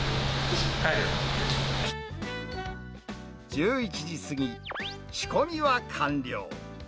１１時過ぎ、仕込みは完了。